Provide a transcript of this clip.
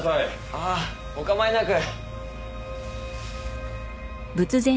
ああお構いなく。